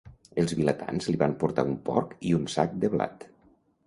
Els vilatans li van portar un porc i un sac de blat.